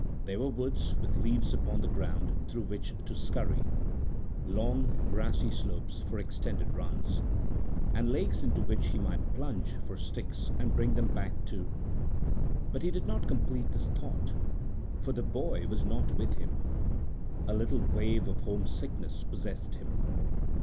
There were woods with leaves upon the ground through which to scurry, long grassy slopes for extended runs, and lakes into which he might plunge for sticks and bring them back to—But he did not complete his thought, for the boy was not with him. A little wave of homesickness possessed him.